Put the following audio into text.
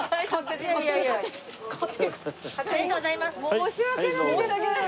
申し訳ないです。